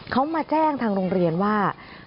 เขามาแจ้งทางโรงเรียนว่า